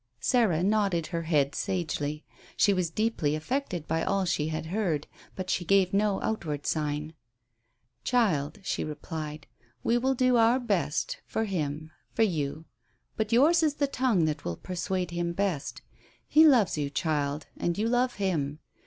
Sarah nodded her head sagely; she was deeply affected by all she had heard, but she gave no outward sign. "Child," she replied, "we will all do our best for him for you; but yours is the tongue that will persuade him best. He loves you, child, and you love him.